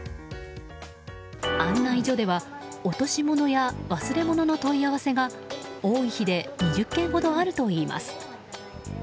案内所では落とし物や忘れ物の問い合わせが多い日で２０件ほどあるといいます。